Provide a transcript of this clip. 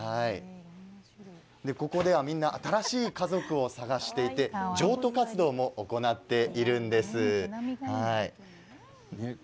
ここでは、みんな新しい家族を探していて譲渡活動も行っているんです。